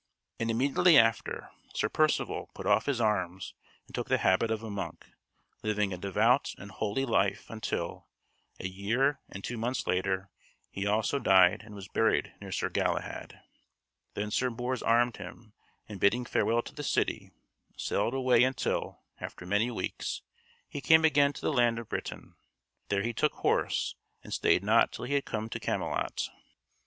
And immediately after, Sir Percivale put off his arms and took the habit of a monk, living a devout and holy life until, a year and two months later, he also died and was buried near Sir Galahad. Then Sir Bors armed him, and bidding farewell to the city, sailed away until, after many weeks, he came again to the land of Britain. There he took horse, and stayed not till he had come to Camelot.